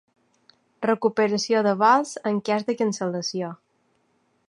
Recuperació de vols en cas de cancel·lació.